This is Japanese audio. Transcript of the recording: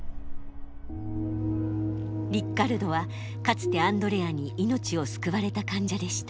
リッカルドはかつてアンドレアに命を救われた患者でした。